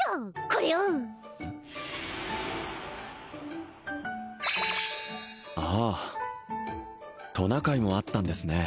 これをああトナカイもあったんですね